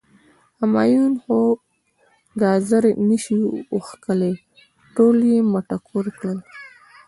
همایون خو ګازر نه شي وښکلی، ټول یی مټکور کړل.